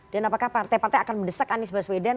dan apakah partai partai akan mendesak anies baswedan